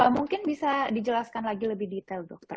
mungkin bisa dijelaskan lagi lebih detail dokter